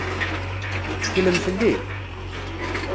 Tetteklem fell-i?